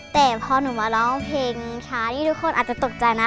แต่พอหนูมาร้องเพลงช้านี่ทุกคนอาจจะตกใจนะ